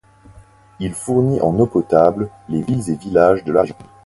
Il fournit en eau potable les villes et villages de la région.